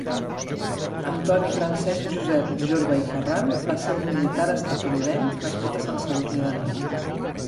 Antoni Francesc Josep Jorba i Ferran va ser un militar estatunidenc nascut a Sant Sadurní d'Anoia.